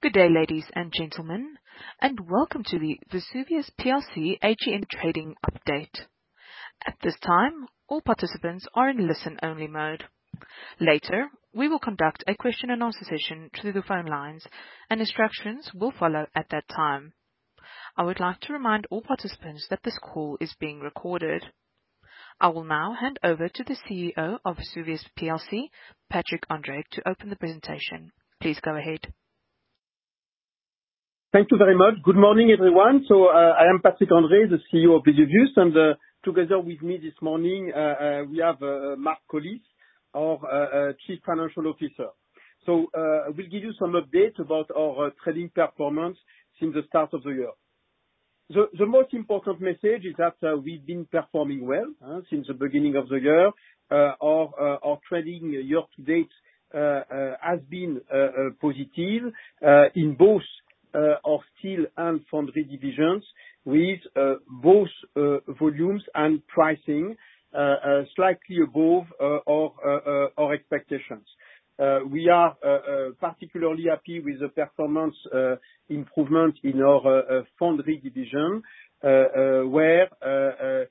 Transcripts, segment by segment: Good day, ladies and gentlemen. Welcome to the Vesuvius PLC H1 trading update. At this time, all participants are in listen-only mode. Later, we will conduct a question-and-answer session through the phone lines. Instructions will follow at that time. I would like to remind all participants that this call is being recorded. I will now hand over to the CEO of Vesuvius PLC, Patrick André, to open the presentation. Please go ahead. Thank you very much. Good morning, everyone. I am Patrick André, the CEO of Vesuvius, and together with me this morning, we have Mark Collis, our Chief Financial Officer. We'll give you some updates about our trading performance since the start of the year. The most important message is that we've been performing well since the beginning of the year. Our trading year-to-date has been positive in both our Steel and Foundry divisions with both volumes and pricing slightly above our expectations. We are particularly happy with the performance improvement in our Foundry division, where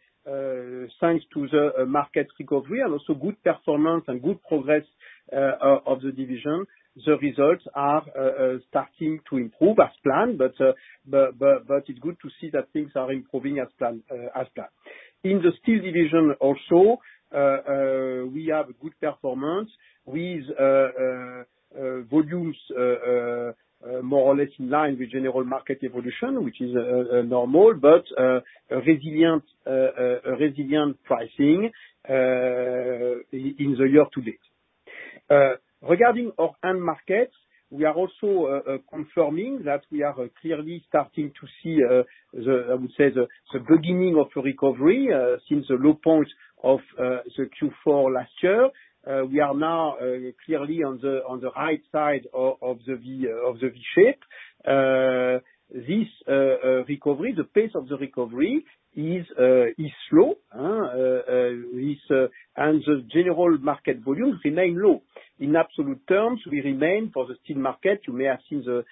thanks to the market recovery and also good performance and good progress of the division, the results are starting to improve as planned. It's good to see that things are improving as planned, as planned. In the Steel division also, we have good performance with volumes more or less in line with general market evolution, which is normal, but resilient pricing in the year-to-date. Regarding our end markets, we are also confirming that we are clearly starting to see, I would say the beginning of the recovery, since the low point of the Q4 last year. We are now clearly on the right side of the V-shape. This recovery, the pace of the recovery is slow. The general market volume remain low. In absolute terms, we remain for the steel market, you may have seen the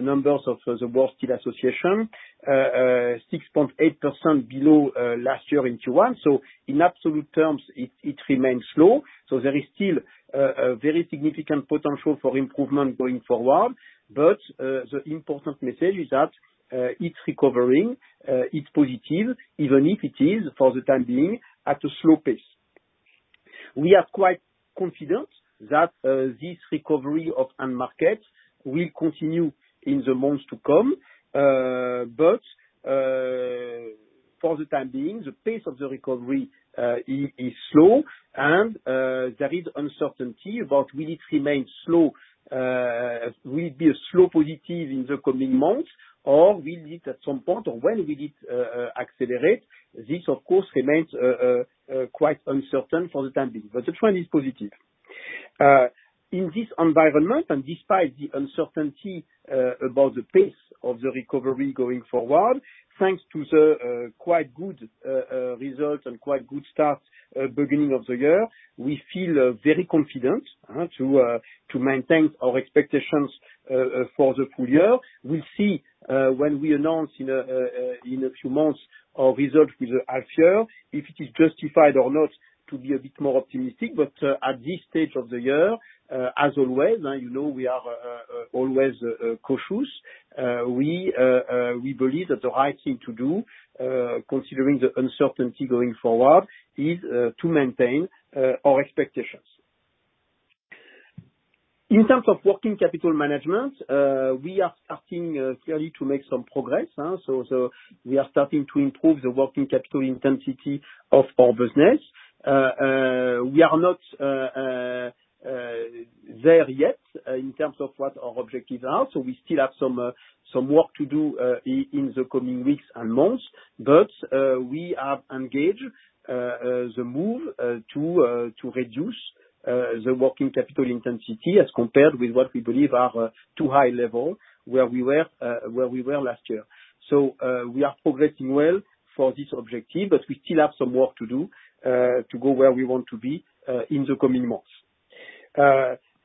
numbers of the World Steel Association, 6.8% below last year in Q1. In absolute terms, it remains slow. There is still a very significant potential for improvement going forward. The important message is that, it's recovering, it's positive, even if it is, for the time being, at a slow pace. We are quite confident that, this recovery of end markets will continue in the months to come. For the time being, the pace of the recovery, is slow and, there is uncertainty about will it remain slow, will it be a slow positive in the coming months? Will it at some point, or when will it, accelerate? This, of course, remains, quite uncertain for the time being. The trend is positive. In this environment, despite the uncertainty about the pace of the recovery going forward, thanks to the quite good results and quite good start beginning of the year, we feel very confident to maintain our expectations for the full year. We'll see when we announce in a few months our results for the half year, if it is justified or not to be a bit more optimistic. At this stage of the year, as always, now you know we are always cautious. We believe that the right thing to do considering the uncertainty going forward is to maintain our expectations. In terms of working capital management, we are starting clearly to make some progress, we are starting to improve the working capital intensity of our business. We are not there yet in terms of what our objectives are, so we still have some work to do in the coming weeks and months. We have engaged the move to reduce the working capital intensity as compared with what we believe are too high level, where we were last year. We are progressing well for this objective, but we still have some work to do to go where we want to be in the coming months.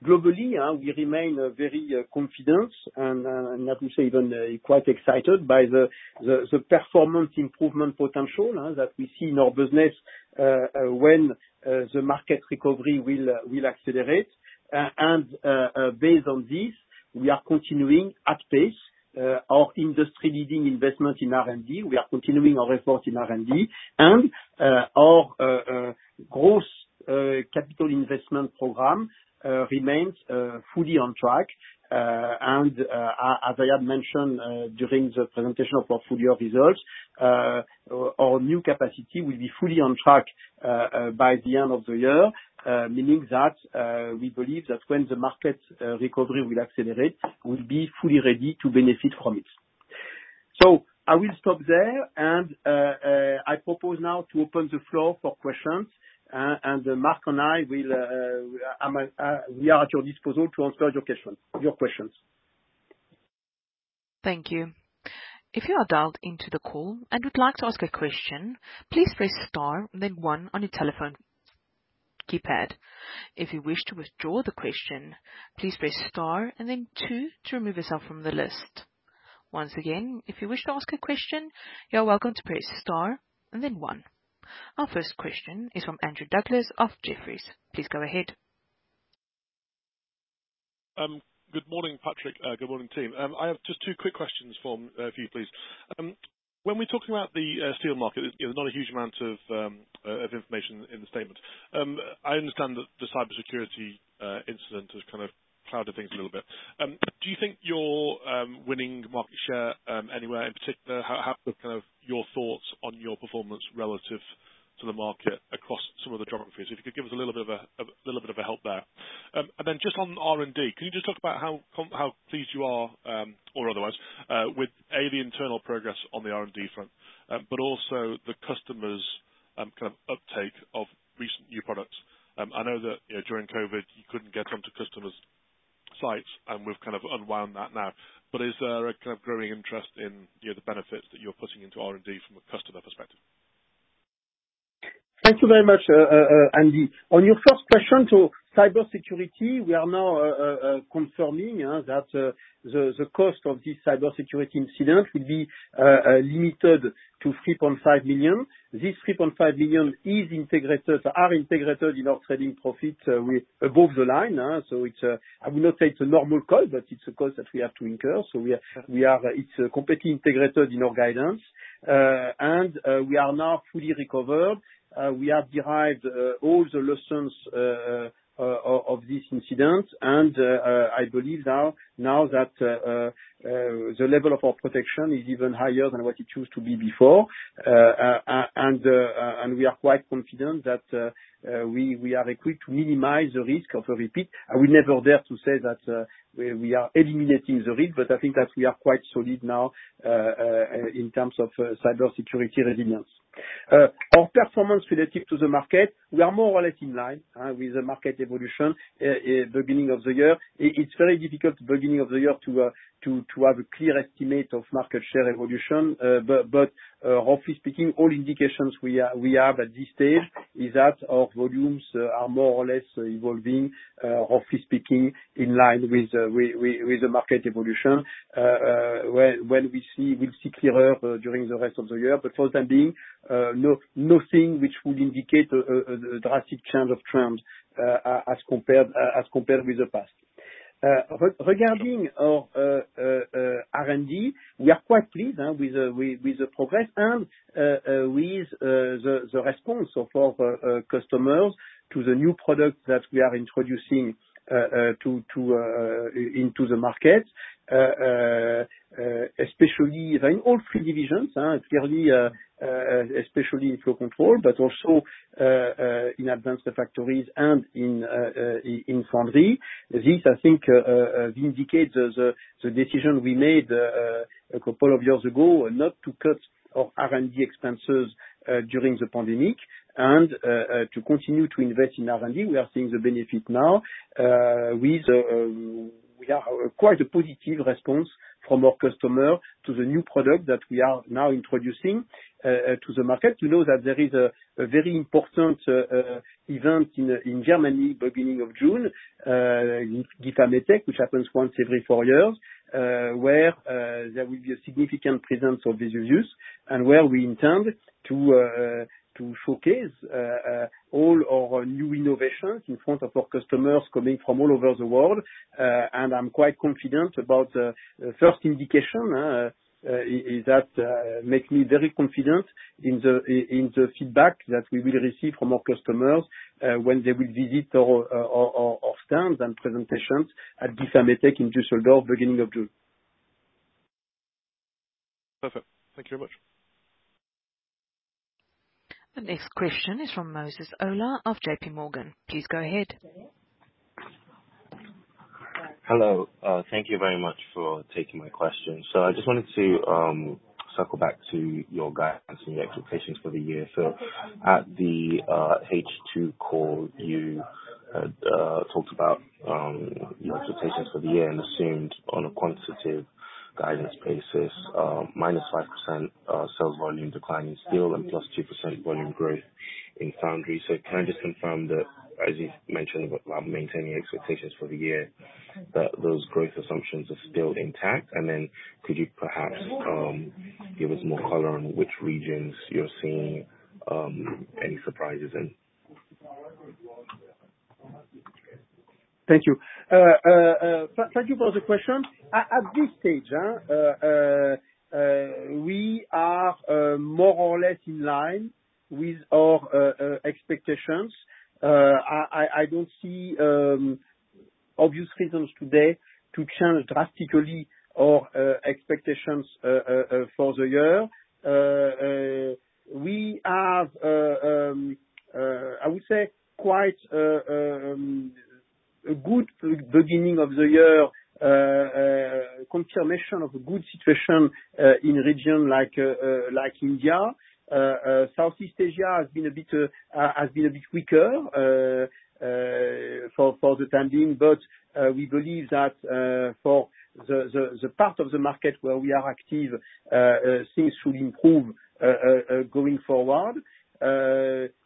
Globally, we remain very confident and let me say even quite excited by the performance improvement potential that we see in our business when the market recovery will accelerate. Based on this, we are continuing at pace our industry leading investment in R&D. We are continuing our effort in R&D. Our growth capital investment program remains fully on track. As I had mentioned during the presentation of our full year results, our new capacity will be fully on track by the end of the year, meaning that we believe that when the market recovery will accelerate, we'll be fully ready to benefit from it. I will stop there and I propose now to open the floor for questions. Mark and I will we are at your disposal to answer your questions. Thank you. If you are dialed into the call and would like to ask a question, please press star and then one on your telephone keypad. If you wish to withdraw the question, please press star and then two to remove yourself from the list. Once again, if you wish to ask a question, you are welcome to press star and then one. Our first question is from Andrew Douglas of Jefferies. Please go ahead. Good morning, Patrick. Good morning, team. I have just two quick questions for you, please. When we're talking about the steel market, there's not a huge amount of information in the statement. I understand that the cybersecurity incident has kind of clouded things a little bit. Do you think you're winning market share anywhere in particular? How kind of your thoughts on your performance relative to the market across some of the geographies? If you could give us a little bit of help there. Then just on R&D, can you just talk about how pleased you are, or otherwise, with, A, the internal progress on the R&D front, but also the customers', kind of uptake of recent new products. I know that, you know, during COVID, you couldn't get onto customers' sites, and we've kind of unwound that now. Is there a kind of growing interest in, you know, the benefits that you're putting into R&D from a customer perspective? Thank you very much, Andy. On your first question to cybersecurity, we are now confirming that the cost of this cybersecurity incident will be limited to 3.5 million. This 3.5 million are integrated in our trading profit with above the line. It's, I would not say it's a normal cost, but it's a cost that we have to incur, so we are it's completely integrated in our guidance. We are now fully recovered. We have derived all the lessons of this incident. I believe now that the level of our protection is even higher than what it used to be before. We are quite confident that we are equipped to minimize the risk of a repeat. I will never dare to say that we are eliminating the risk, but I think that we are quite solid now in terms of cybersecurity resilience. Our performance relative to the market, we are more or less in line with the market evolution beginning of the year. It's very difficult beginning of the year to have a clear estimate of market share evolution. Roughly speaking, all indications we have at this stage is that our volumes are more or less evolving, roughly speaking, in line with the market evolution. When we see, we'll see clearer during the rest of the year. For the time being, nothing which would indicate a drastic change of terms as compared with the past. Regarding our R&D, we are quite pleased with the progress and with the response of our customers to the new product that we are introducing into the market. Especially within all three divisions, clearly, especially in Flow Control, but also in Advanced Refractories and in Foundry. This I think indicates the decision we made a couple of years ago not to cut our R&D expenses during the pandemic and to continue to invest in R&D. We are seeing the benefit now with we are quite a positive response from our customer to the new product that we are now introducing to the market. We know that there is a very important event in Germany, beginning of June, GIFA/METEC, which happens once every four years. Where there will be a significant presence of METEC, and where we intend to showcase all our new innovations in front of our customers coming from all over the world. I'm quite confident about first indication is that makes me very confident in the feedback that we will receive from our customers when they will visit our stands and presentations at GIFA/METEC in Düsseldorf, beginning of June. Perfect. Thank you very much. The next question is from Moses Ola of JPMorgan. Please go ahead. Hello. Thank you very much for taking my question. I just wanted to circle back to your guidance and your expectations for the year. At the H2 call, you talked about your expectations for the year and assumed on a quantitative guidance basis, -5% sales volume decline in steel and +2% volume growth in Foundry. Can you just confirm that, as you've mentioned about maintaining expectations for the year, that those growth assumptions are still intact? Could you perhaps give us more color on which regions you're seeing any surprises in? Thank you. Thank you for the question. At this stage, we are more or less in line with our expectations. I don't see obvious reasons today to change drastically our expectations for the year. We have I would say quite a good beginning of the year. Confirmation of a good situation in a region like India. Southeast Asia has been a bit weaker for the time being. We believe that for the part of the market where we are active, things should improve going forward.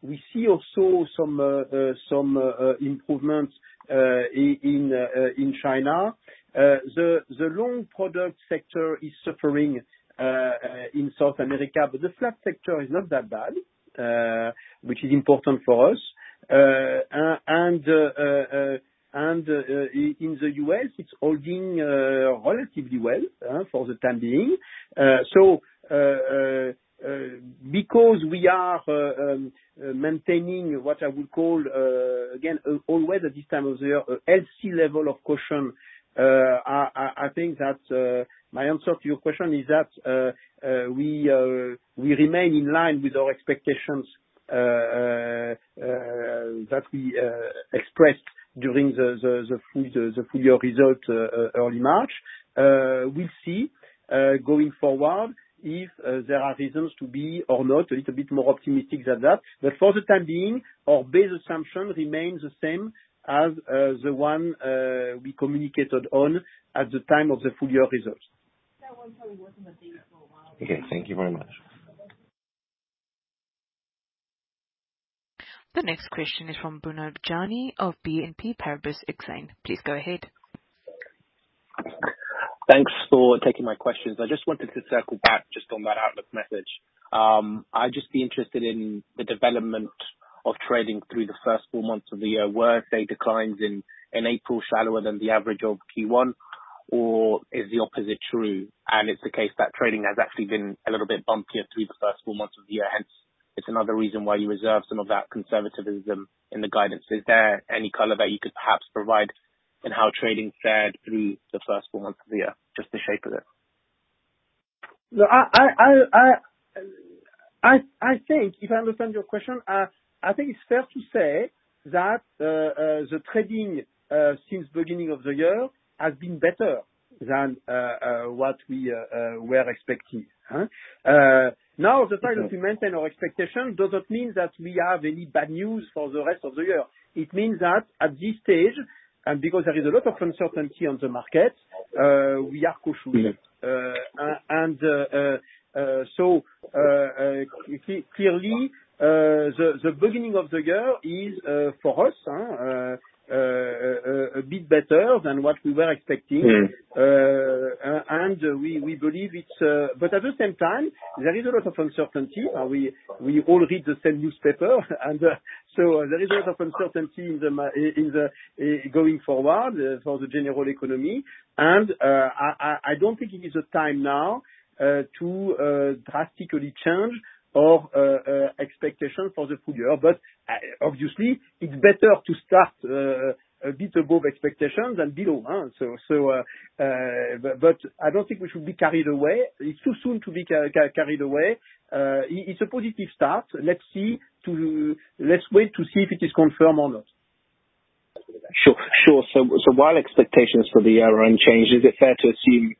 We see also some improvements in China. The long product sector is suffering in South America, but the flat sector is not that bad, which is important for us. In the U.S., it's holding relatively well for the time being, because we are maintaining what I would call again, always at this time of the year, a healthy level of caution. I think that my answer to your question is that we remain in line with our expectations that we expressed during the full year result early March. We'll see going forward if there are reasons to be or not a little bit more optimistic than that. For the time being, our base assumption remains the same as the one we communicated on at the time of the full year results. Okay. Thank you very much. The next question is from Bernard Jani of BNP Paribas Exane. Please go ahead. Thanks for taking my questions. I just wanted to circle back just on that outlook message. I'd just be interested in the development of trading through the first four months of the year, were, say, declines in April shallower than the average of Q1, or is the opposite true, and it's the case that trading has actually been a little bit bumpier through the first four months of the year. Hence it's another reason why you reserved some of that conservatism in the guidance. Is there any color that you could perhaps provide in how trading fared through the first four months of the year, just the shape of it? No, I think, if I understand your question, I think it's fair to say that the trading since beginning of the year has been better than what we were expecting. Now the fact that we maintain our expectation does not mean that we have any bad news for the rest of the year. It means that at this stage, and because there is a lot of uncertainty on the market, we are cautious. Clearly, the beginning of the year is for us a bit better than what we were expecting. We believe it's. At the same time, there is a lot of uncertainty. We all read the same newspaper and, so there is a lot of uncertainty in the going forward for the general economy. I don't think it is the time now to drastically change our expectation for the full year. Obviously, it's better to start a bit above expectation than below, huh, so. I don't think we should be carried away. It's too soon to be carried away. It's a positive start. Let's wait to see if it is confirmed or not. Sure. Sure. While expectations for the year aren't changed, is it fair to assume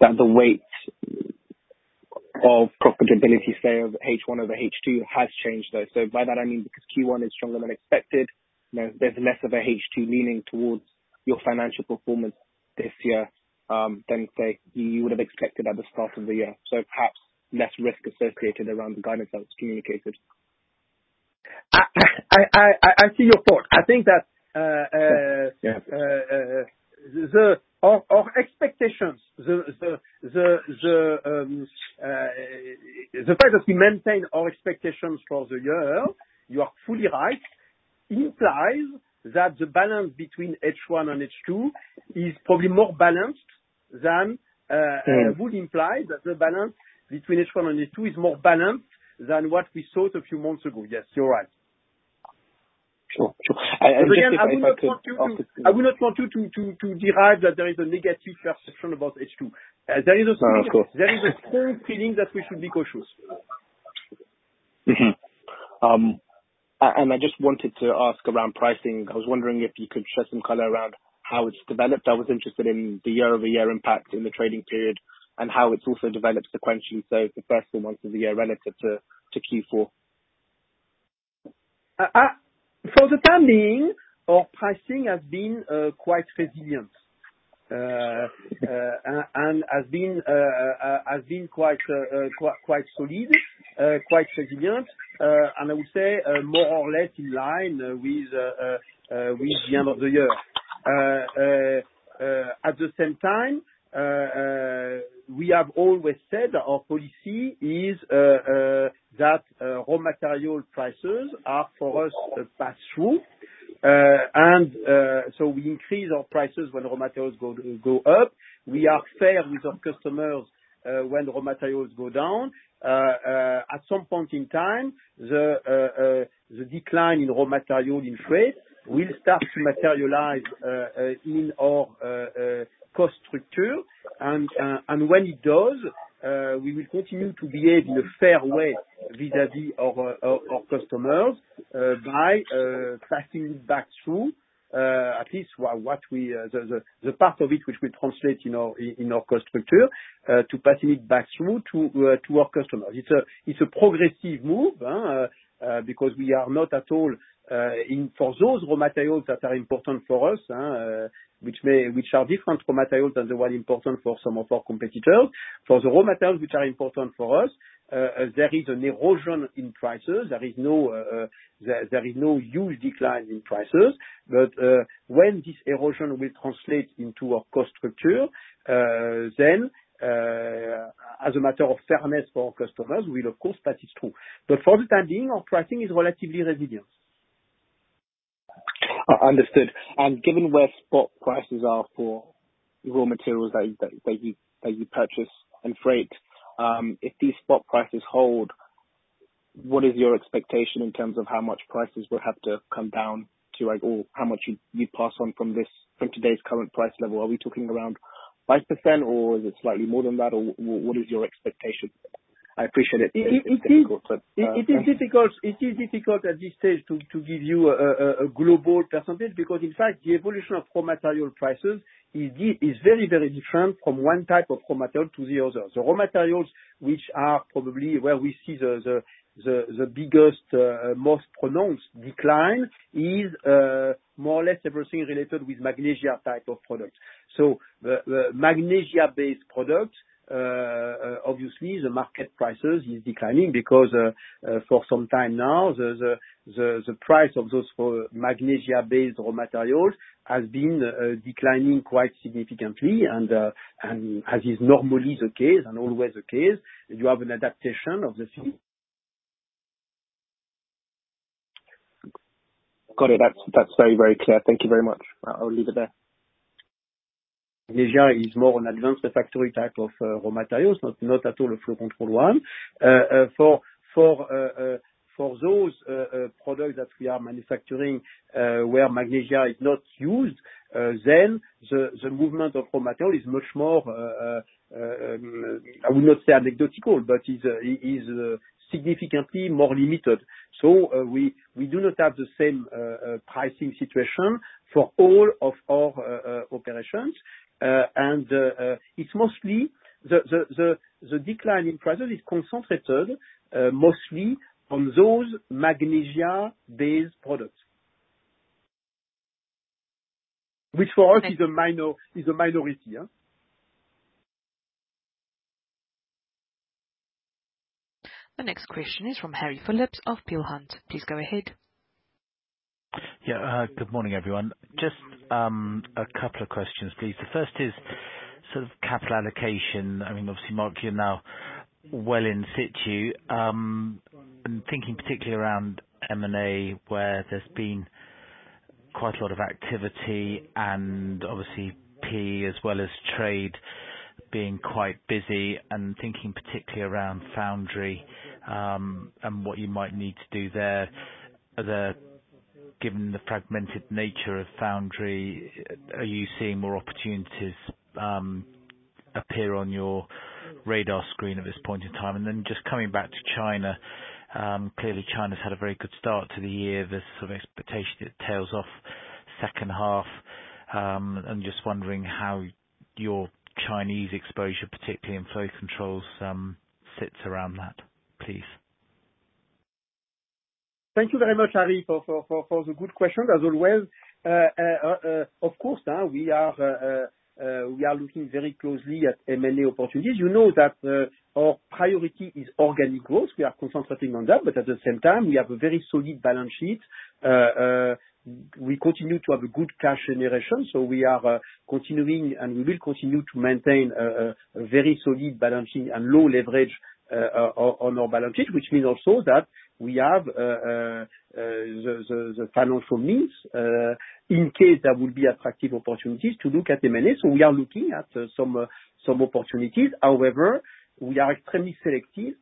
that the weight of profitability, say, of H1 over H2 has changed though? By that I mean, because Q1 is stronger than expected, you know, there's less of a H2 leaning towards your financial performance this year, than, say, you would have expected at the start of the year. Perhaps less risk associated around the guidance that was communicated. I see your point. I think that our expectations, the fact that we maintain our expectations for the year, you are fully right, implies that the balance between H1 and H2 is probably more balanced than- would imply that the balance between H1 and H2 is more balanced than what we thought a few months ago. Yes, you're right. Sure. Sure. Again, I would not want. if I could ask? I would not want to derive that there is a negative perception about H2. No, of course. There is a strong feeling that we should be cautious. I just wanted to ask around pricing. I was wondering if you could shed some color around how it's developed. I was interested in the year-over-year impact in the trading period, and how it's also developed sequentially, so the first few months of the year relative to Q4. For the time being, our pricing has been quite resilient. Has been quite solid, quite resilient. I would say more or less in line with the end of the year. At the same time, we have always said our policy is that raw material prices are for us a pass-through. We increase our prices when raw materials go up. We are fair with our customers when raw materials go down. At some point in time, the decline in raw material, in freight, will start to materialize in our cost structure. When it does, we will continue to behave in a fair way vis-à-vis our customers, by passing it back through, at least what we, the part of it which will translate in our cost structure, to passing it back through to our customers. It's a progressive move, because we are not at all in for those raw materials that are important for us, which are different raw materials than the one important for some of our competitors. For the raw materials which are important for us, there is an erosion in prices. There is no, there is no huge decline in prices. When this erosion will translate into our cost structure, then, as a matter of fairness for our customers, we'll pass this through. For the time being, our pricing is relatively resilient. Understood. Given where spot prices are for raw materials that you purchase and freight, if these spot prices hold, what is your expectation in terms of how much prices will have to come down or how much you pass on from today's current price level? Are we talking around 5%, or is it slightly more than that? What is your expectation? I appreciate it. It is difficult- -but. It is difficult at this stage to give you a global percentage because, in fact, the evolution of raw material prices is very, very different from one type of raw material to the other. The raw materials which are probably where we see the biggest most pronounced decline is more or less everything related with magnesia type of products. The magnesia-based products, obviously the market prices is declining because for some time now, the price of those magnesia-based raw materials has been declining quite significantly. As is normally the case and always the case, you have an adaptation of the same. Got it. That's very, very clear. Thank you very much. I'll leave it there. Magnesia is more an Advanced Refractory type of raw materials, not at all a Flow Control one. For those products that we are manufacturing, where magnesia is not used, then the movement of raw material is much more, I would not say anecdotal, but is significantly more limited. We do not have the same pricing situation for all of our operations. It's mostly the decline in prices is concentrated mostly on those magnesia-based products. Which for us is a minority, yeah. The next question is from Harry Phillips of Peel Hunt. Please go ahead. Yeah. Good morning, everyone. Just a couple of questions, please. The first is sort of capital allocation. I mean, obviously, Mark, you're now well in situ. I'm thinking particularly around M&A, where there's been quite a lot of activity and obviously PE as well as trade being quite busy and thinking particularly around Foundry, and what you might need to do there. Given the fragmented nature of Foundry, are you seeing more opportunities appear on your radar screen at this point in time? Just coming back to China, clearly China's had a very good start to the year. There's sort of expectation it tails off second half. I'm just wondering how your Chinese exposure, particularly in Flow Control, sits around that, please. Thank you very much, Harry, for the good question, as always. Of course, now we are looking very closely at M&A opportunities. You know that our priority is organic growth. We are concentrating on that. At the same time we have a very solid balance sheet. We continue to have a good cash generation. We are continuing, and we will continue to maintain a very solid balance sheet and low leverage on our balance sheet, which means also that we have the financial means in case there will be attractive opportunities to look at M&A. We are looking at some opportunities. However, we are extremely selective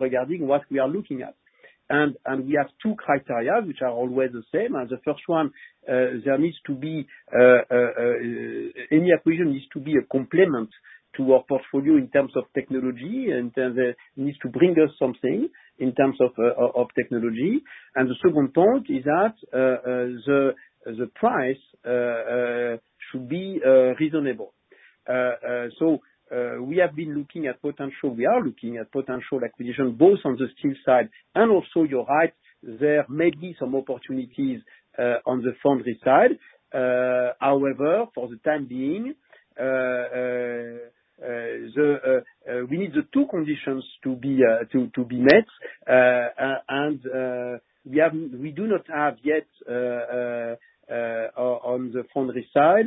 regarding what we are looking at. We have two criteria which are always the same. The first one, there needs to be any acquisition needs to be a complement to our portfolio in terms of technology. It needs to bring us something in terms of technology. The second point is that the price should be reasonable. We have been looking at potential. We are looking at potential acquisition both on the Steel side and also, you're right, there may be some opportunities on the Foundry side. However, for the time being, we need the two conditions to be met. We do not have yet on the Foundry side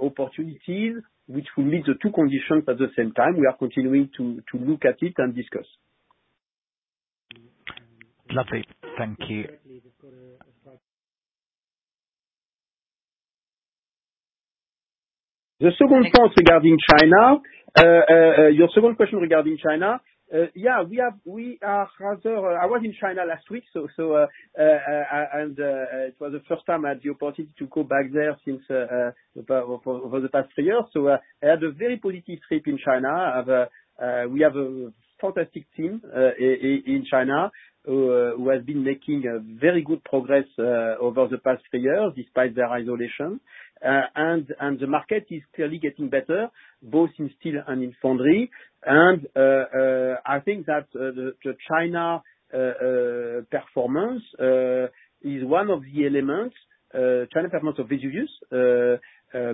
opportunities which will meet the two conditions at the same time. We are continuing to look at it and discuss. Lovely. Thank you. The second point regarding China, your second question regarding China. Yeah, we have, we are rather. I was in China last week, and it was the first time I had the opportunity to go back there since the over the past three years. I had a very positive trip in China. I have- we have a fantastic team in China who has been making very good progress over the past three years, despite their isolation. The market is clearly getting better, both in steel and in foundry. I think that the China performance is one of the elements, China performance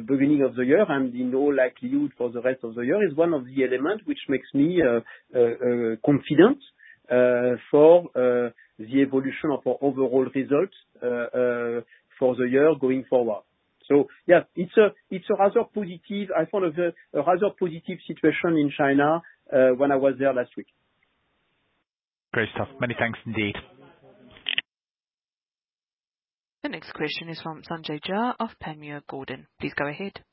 beginning of the year and in all likelihood for the rest of the year, is one of the elements which makes me confident for the evolution of our overall results for the year going forward. Yeah, it's a rather positive, I thought of a rather positive situation in China when I was there last week. Great stuff. Many thanks indeed. The next question is from Sanjay Jha of Panmure Gordon. Please go ahead.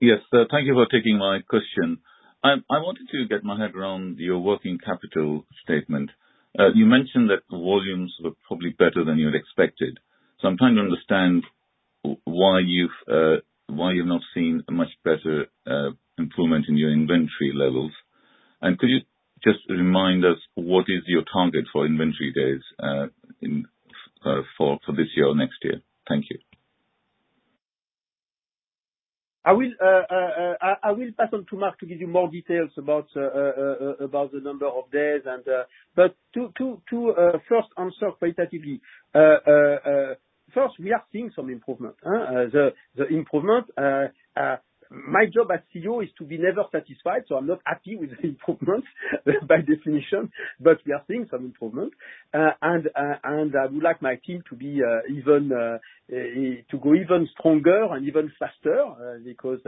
Yes. Thank you for taking my question. I wanted to get my head around your working capital statement. You mentioned that the volumes were probably better than you had expected. I'm trying to understand why you've not seen a much better improvement in your inventory levels. Could you just remind us what is your target for inventory days, for this year or next year? Thank you. I will pass on to Mark to give you more details about the number of days and. To first answer qualitatively. First, we are seeing some improvement. The improvement, my job as CEO is to be never satisfied, so I'm not happy with the improvement by definition. We are seeing some improvement, and I would like my team to be even to go even stronger and even faster because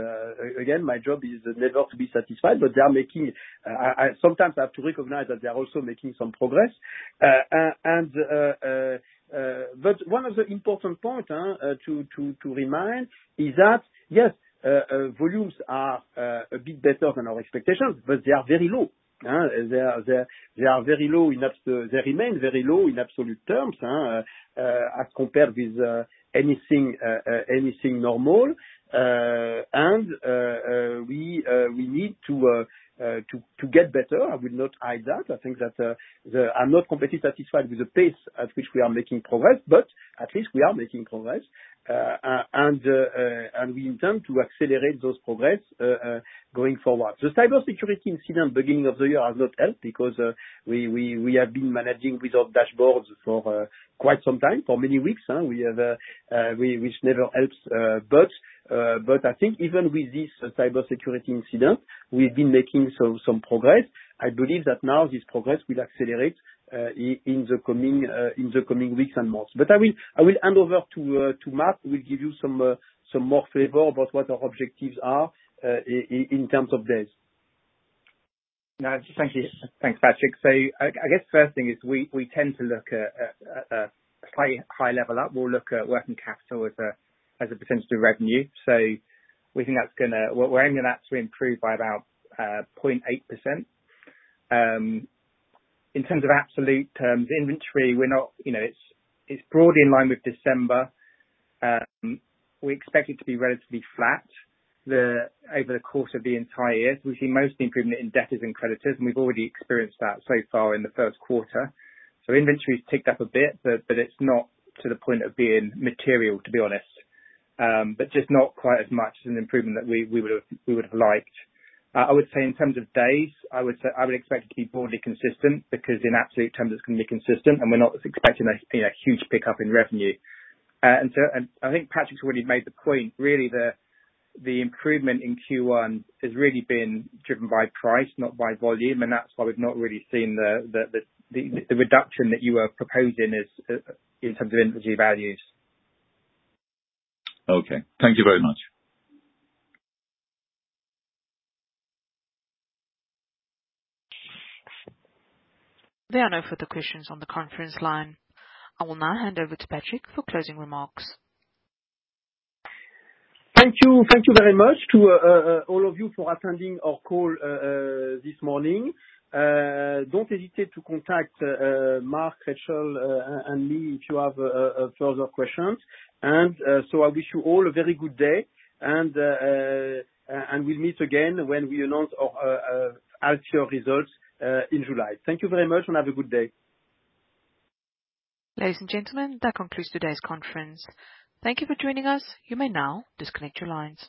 again, my job is never to be satisfied. They are making. I sometimes have to recognize that they are also making some progress. But one of the important point to remind is that, yes, volumes are a bit better than our expectations, but they are very low. They are very low. They remain very low in absolute terms, as compared with anything normal. We need to get better. I will not hide that. I think that, I'm not completely satisfied with the pace at which we are making progress, but at least we are making progress. We intend to accelerate those progress going forward. The cybersecurity incident beginning of the year has not helped because we have been managing without dashboards for quite some time, for many weeks,. We have- which never helps. I think even with this cybersecurity incident, we've been making some progress. I believe that now this progress will accelerate in the coming in the coming weeks and months. I will hand over to Mark who will give you some more flavor about what our objectives are in terms of days. No, thank you. Thanks, Patrick. I guess first thing is we tend to look at high level up. We'll look at working capital as a, as a potential revenue. We're aiming at to improve by about 0.8%. In terms of absolute terms, inventory, we're not, you know, it's broadly in line with December. We expect it to be relatively flat over the course of the entire year. We've seen most improvement in debtors and creditors, and we've already experienced that so far in the first quarter. Inventory's ticked up a bit, but it's not to the point of being material, to be honest. Just not quite as much as an improvement that we would have liked. I would say in terms of days, I would expect it to be broadly consistent because in absolute terms it's gonna be consistent and we're not expecting a, you know, huge pickup in revenue. I think Patrick's already made the point really that the improvement in Q1 has really been driven by price, not by volume. That's why we've not really seen the reduction that you are proposing is in terms of inventory values. Okay. Thank you very much. There are no further questions on the conference line. I will now hand over to Patrick for closing remarks. Thank you. Thank you very much to all of you for attending our call this morning. Don't hesitate to contact Mark, Rachel, and me if you have further questions. I wish you all a very good day and we'll meet again when we announce our share results in July. Thank you very much and have a good day. Ladies and gentlemen, that concludes today's conference. Thank you for joining us. You may now disconnect your lines.